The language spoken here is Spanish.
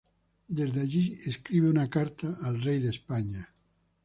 Desde allí escribe una carta al Rey de España.